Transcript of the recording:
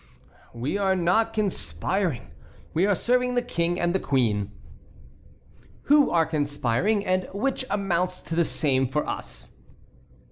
"We are not conspiring; we are serving the king and the queen." "Who are conspiring and which amounts to the same for us."